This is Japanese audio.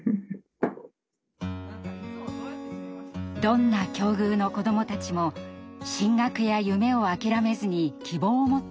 どんな境遇の子どもたちも進学や夢を諦めずに希望を持ってほしい。